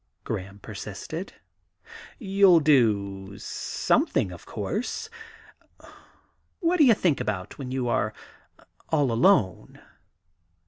Graham persisted. * You '11 do something, of course. What do you think about when you are all alone